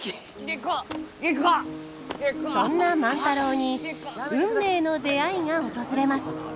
そんな万太郎に運命の出会いが訪れます。